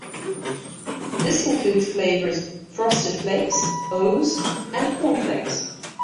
This includes flavors Frosted Flakes, O's, and Corn Flakes.